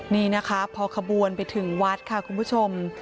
นี่นะคะพอขบวนไปถึงวัดค่ะคุณผู้ชม